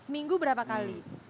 seminggu berapa kali